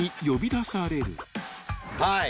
はい。